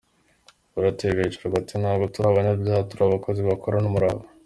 Bateraga hejuru bati: "Ntabwo turi abanyabyaha! Turi abakozi bakorana umurava".